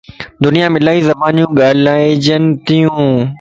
دنيا مَ الائي زبانيون ڳالھائيجھنتيون